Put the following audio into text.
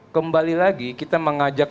kembali lagi kita mengajak